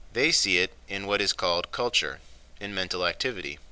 They see it in what is called culture—in mental activity.